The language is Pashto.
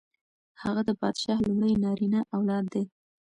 هغه د پادشاه لومړی نارینه اولاد دی.